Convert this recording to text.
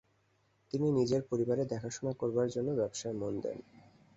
তিনি নিজের পরিবারের দেখাশোনা করার জন্য ব্যবসায় মন দেন।